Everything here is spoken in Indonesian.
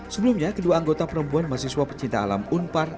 sebelumnya kedua anggota perempuan mahasiswa pecinta alam unpar